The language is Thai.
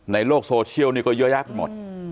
ในโลกโซเชียลนี่ก็เยอะแยะไปหมด